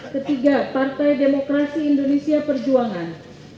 ketiga partai demokrasi indonesia perjuangan